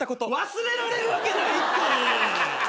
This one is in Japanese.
忘れられるわけないって！